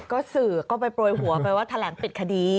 ก็สื่อก็ไปโปรยหัวไปว่าแถลงปิดคดี